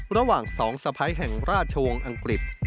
ระหว่าง๒สะพ้ายแห่งราชวงศ์อังกฤษ